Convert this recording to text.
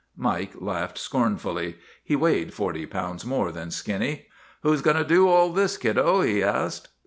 Mike laughed scornfully. He weighed forty pounds more than Skinny. Who 's goin' to do all this, kiddo? ' he asked.